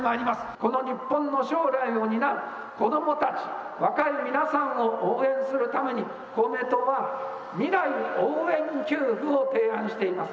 この日本の将来を担う、子どもたち、若い皆さんを応援するために公明党は未来応援給付を提案しています。